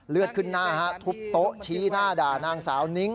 เลือดขึ้นหน้าฮะทุบโต๊ะชี้หน้าด่านางสาวนิ้ง